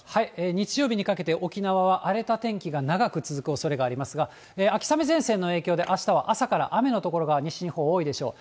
日曜日にかけて、沖縄は荒れた天気が長く続くおそれがありますが、秋雨前線の影響で、あしたは朝から雨の所が、西日本多いでしょう。